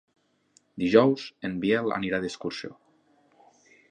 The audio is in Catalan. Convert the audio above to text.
Dijous en Biel anirà d'excursió.